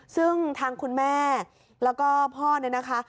ซึ่งทางคุณแม่แล้วก็พ่อเนี่ยนะคะ